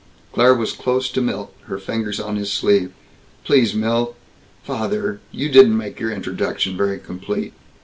Claire was close to Milt, her fingers on his sleeve. "Please, Milt! Father! You didn't make your introduction very complete.